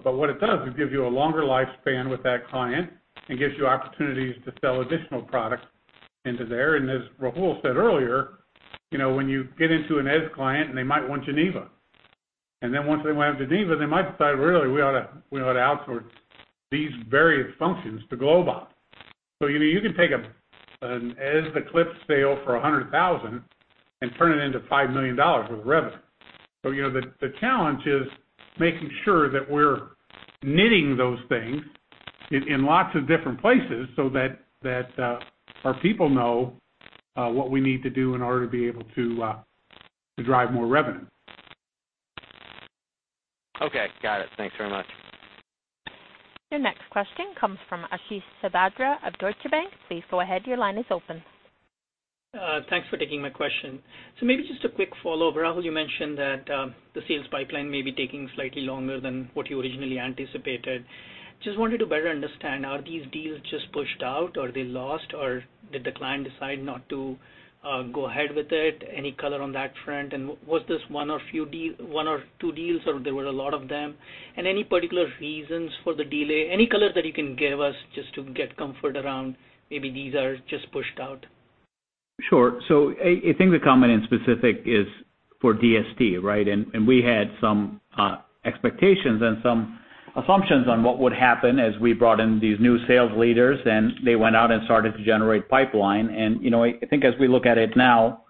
What it does is gives you a longer lifespan with that client and gives you opportunities to sell additional products into there. As Rahul said earlier, when you get into an Eze client and they might want Geneva. Once they went with Geneva, they might decide, "Really, we ought to outsource these various functions to Global." You can take an Eze Eclipse sale for $100,000 and turn it into $5 million worth of revenue. The challenge is making sure that we're knitting those things in lots of different places so that our people know what we need to do in order to be able to drive more revenue. Okay. Got it. Thanks very much. Your next question comes from Ashish Sabadra of Deutsche Bank. Please go ahead, your line is open. Thanks for taking my question. Maybe just a quick follow-up. Rahul, you mentioned that the sales pipeline may be taking slightly longer than what you originally anticipated. Just wanted to better understand, are these deals just pushed out, or are they lost, or did the client decide not to go ahead with it? Any color on that front? Was this one or two deals, or there were a lot of them? Any particular reasons for the delay? Any color that you can give us just to get comfort around maybe these are just pushed out? Sure. I think the comment in specific is for DST, right? We had some expectations and some assumptions on what would happen as we brought in these new sales leaders, and they went out and started to generate pipeline. I think as we look at it now,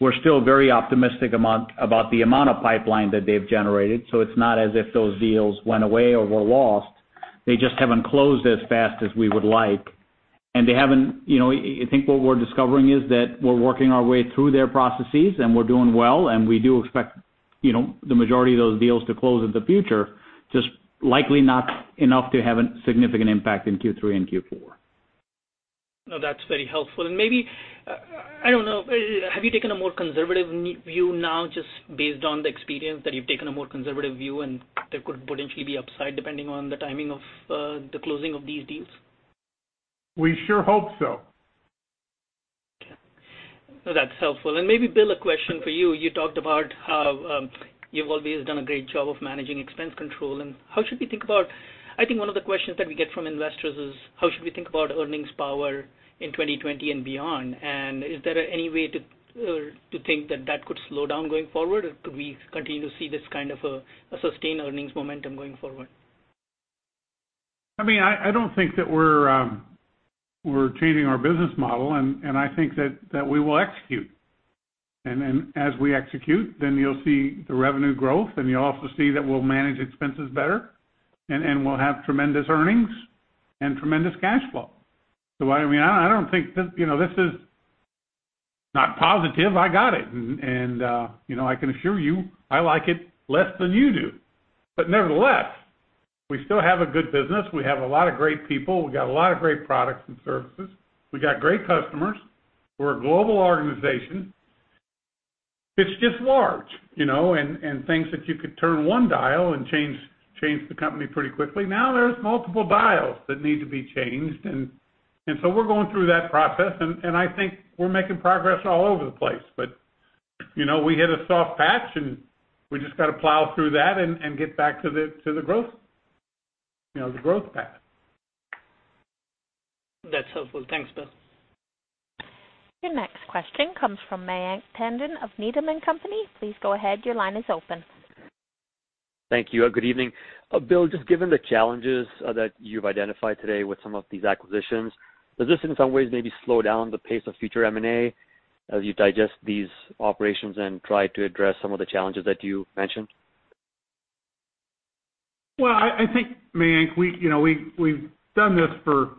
we're still very optimistic about the amount of pipeline that they've generated. It's not as if those deals went away or were lost. They just haven't closed as fast as we would like. I think what we're discovering is that we're working our way through their processes. We're doing well. We do expect the majority of those deals to close in the future, just likely not enough to have a significant impact in Q3 and Q4. No, that's very helpful. Maybe, I don't know, have you taken a more conservative view now, just based on the experience that you've taken a more conservative view and there could potentially be upside depending on the timing of the closing of these deals? We sure hope so. Okay. No, that's helpful. Maybe, Bill, a question for you. You talked about how you've always done a great job of managing expense control. I think one of the questions that we get from investors is, how should we think about earnings power in 2020 and beyond? Is there any way to think that that could slow down going forward, or could we continue to see this kind of a sustained earnings momentum going forward? I don't think that we're changing our business model. I think that we will execute. As we execute, you'll see the revenue growth. You'll also see that we'll manage expenses better. We'll have tremendous earnings and tremendous cash flow. I don't think. This is not positive, I got it. I can assure you, I like it less than you do. Nevertheless, we still have a good business. We have a lot of great people. We got a lot of great products and services. We got great customers. We're a global organization. It's just large. Things that you could turn one dial and change the company pretty quickly, now there's multiple dials that need to be changed. We're going through that process. I think we're making progress all over the place. We hit a soft patch, and we just got to plow through that and get back to the growth path. That's helpful. Thanks, Bill. Your next question comes from Mayank Tandon of Needham & Company. Please go ahead, your line is open. Thank you. Good evening. Bill, just given the challenges that you've identified today with some of these acquisitions, does this in some ways maybe slow down the pace of future M&A as you digest these operations and try to address some of the challenges that you mentioned? Well, I think, Mayank, we've done this for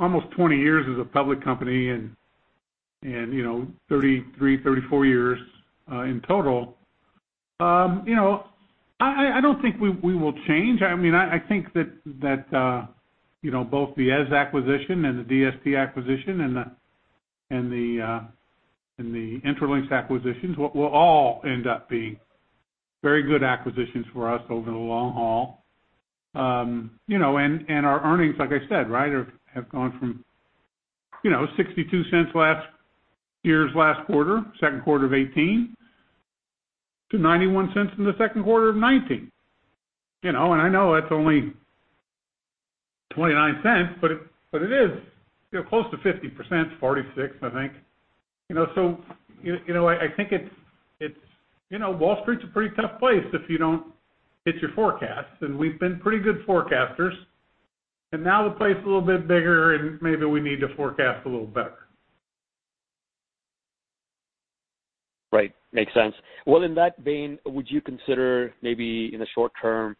almost 20 years as a public company and 33, 34 years in total. I don't think we will change. I think that both the Eze acquisition and the DST acquisition and the Intralinks acquisitions, will all end up being very good acquisitions for us over the long haul. Our earnings, like I said, have gone from $0.62 last year's last quarter, second quarter of 2018, to $0.91 in the second quarter of 2019. I know that's only $0.29, but it is close to 50%, 46%, I think. I think Wall Street's a pretty tough place if you don't hit your forecasts, and we've been pretty good forecasters. Now the place is a little bit bigger, and maybe we need to forecast a little better. Right. Makes sense. In that vein, would you consider maybe in the short term,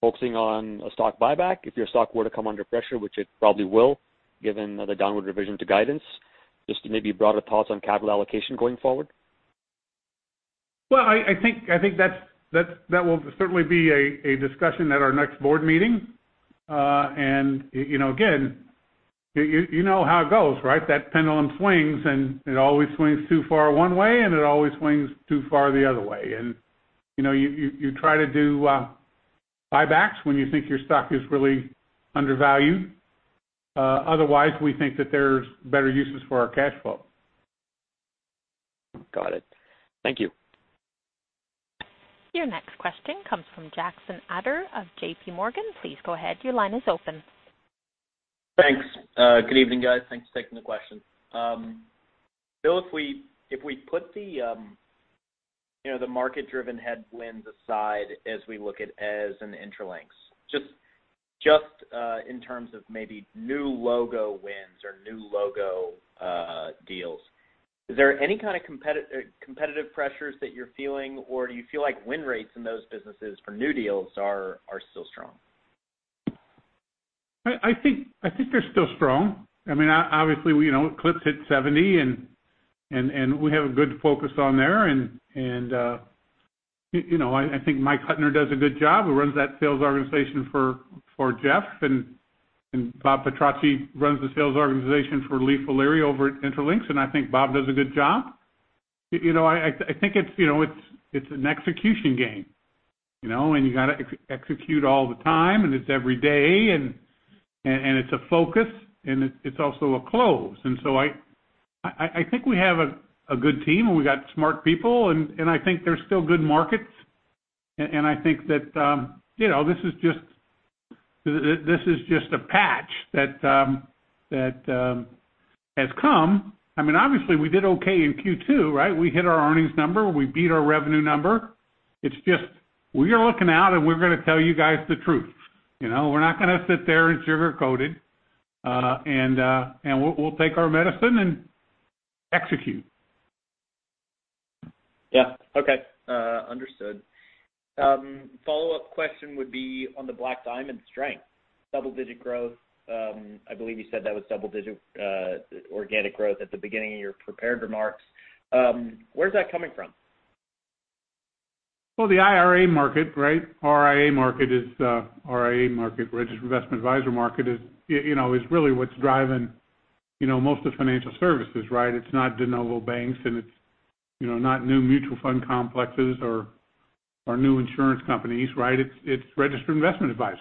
focusing on a stock buyback if your stock were to come under pressure, which it probably will, given the downward revision to guidance, just maybe a broader thought on capital allocation going forward? Well, I think that will certainly be a discussion at our next board meeting. Again, you know how it goes, right? That pendulum swings, and it always swings too far one way, and it always swings too far the other way. You try to do buybacks when you think your stock is really undervalued. Otherwise, we think that there's better uses for our cash flow. Got it. Thank you. Your next question comes from Jackson Ader of JPMorgan. Please go ahead, your line is open. Thanks. Good evening, guys. Thanks for taking the question. Bill, if we put the market-driven headwinds aside as we look at Eze and Intralinks, just in terms of maybe new logo wins or new logo deals, is there any kind of competitive pressures that you're feeling, or do you feel like win rates in those businesses for new deals are still strong? I think they're still strong. Obviously, Eclipse hit 70, and we have a good focus on there. I think Mike Hutner does a good job, who runs that sales organization for Jeff, and Bob Petrocchi runs the sales organization for Leif O'Leary over at Intralinks, and I think Bob does a good job. I think it's an execution game. You got to execute all the time, and it's every day, and it's a focus, and it's also a close. I think we have a good team, and we got smart people, and I think there's still good markets. I think that this is just a patch that has come. Obviously, we did okay in Q2. We hit our earnings number. We beat our revenue number. It's just, we are looking out, and we're going to tell you guys the truth. We're not going to sit there and sugarcoat it. We'll take our medicine and execute. Yeah. Okay. Understood. Follow-up question would be on the Black Diamond strength. Double-digit growth. I believe you said that was double-digit organic growth at the beginning of your prepared remarks. Where is that coming from? Well, the RIA market. RIA market, Registered Investment Advisor market, is really what's driving most of financial services. It's not de novo banks, and it's not new mutual fund complexes or new insurance companies. It's Registered Investment Advisors.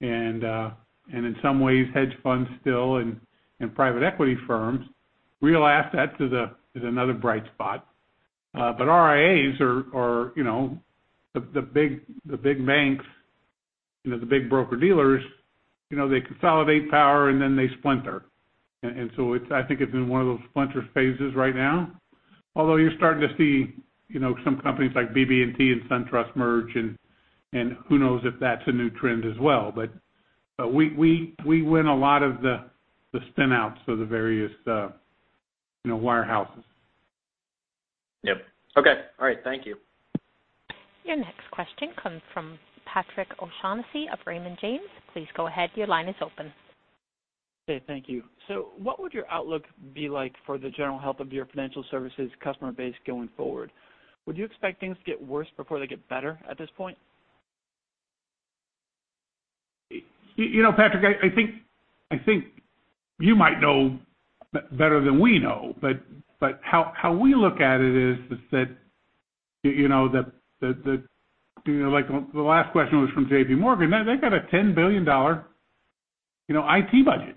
In some ways, hedge funds still and private equity firms. Real asset is another bright spot. RIAs are the big banks, the big broker-dealers. They consolidate power, and then they splinter. I think it's in one of those splinter phases right now. Although you're starting to see some companies like BB&T and SunTrust merge, and who knows if that's a new trend as well. We win a lot of the spin-outs of the various wirehouses. Yep. Okay. All right. Thank you. Your next question comes from Patrick O'Shaughnessy of Raymond James. Please go ahead. Your line is open. Okay. Thank you. What would your outlook be like for the general health of your financial services customer base going forward? Would you expect things to get worse before they get better at this point? Patrick, I think you might know better than we know. How we look at it is that, like the last question was from JPMorgan, they got a $10 billion IT budget.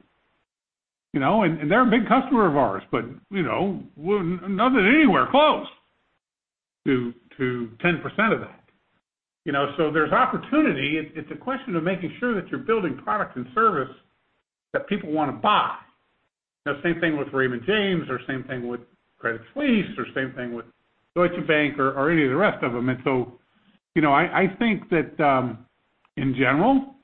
They're a big customer of ours, but we're nowhere close to 10% of that. There's opportunity. It's a question of making sure that you're building product and service that people want to buy. Same thing with Raymond James, or same thing with Credit Suisse, or same thing with Deutsche Bank or any of the rest of them. I think that in general,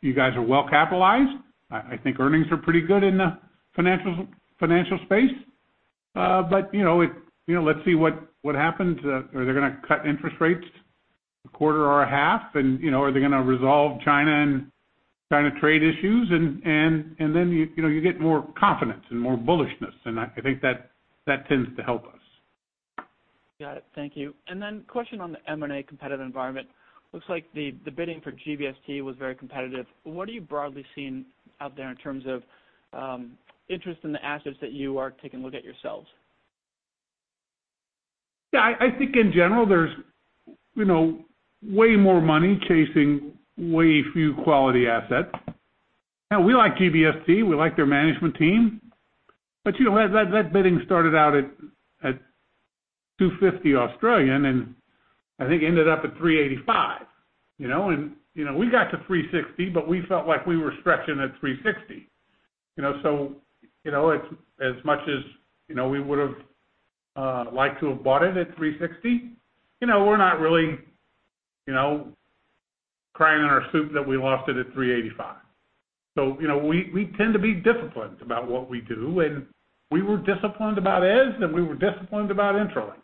you guys are well-capitalized. I think earnings are pretty good in the financial space. Let's see what happens. Are they going to cut interest rates a quarter or a half? Are they going to resolve China trade issues? You get more confidence and more bullishness. I think that tends to help us. Got it. Thank you. Question on the M&A competitive environment. Looks like the bidding for GBST was very competitive. What are you broadly seeing out there in terms of interest in the assets that you are taking a look at yourselves? Yeah, I think in general, there's way more money chasing way few quality assets. We like GBST. We like their management team. That bidding started out at 2.50, and I think ended up at 3.85. We got to 3.60, but we felt like we were stretching at 3.60. As much as we would've liked to have bought it at 3.60, we're not really crying in our soup that we lost it at 3.85. We tend to be disciplined about what we do, and we were disciplined about Eze, and we were disciplined about Intralinks.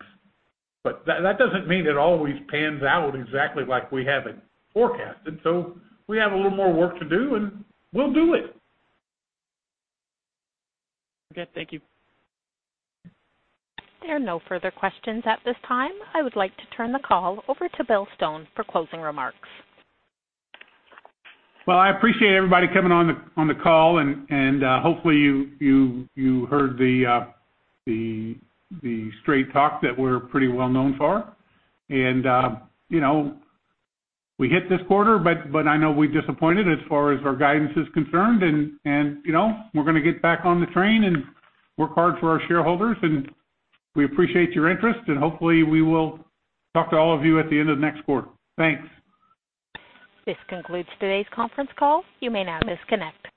That doesn't mean it always pans out exactly like we have it forecasted. We have a little more work to do, and we'll do it. Okay. Thank you. There are no further questions at this time. I would like to turn the call over to Bill Stone for closing remarks. Well, I appreciate everybody coming on the call, and hopefully you heard the straight talk that we're pretty well known for. We hit this quarter, but I know we disappointed as far as our guidance is concerned, and we're going to get back on the train and work hard for our shareholders. We appreciate your interest, and hopefully we will talk to all of you at the end of next quarter. Thanks. This concludes today's conference call. You may now disconnect.